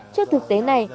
trước thực tế này